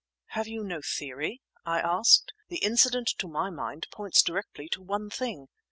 "Have you no theory?" I asked. "The incident to my mind points directly to one thing.